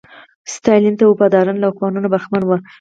ستالین ته وفاداران له واکونو برخمن وو.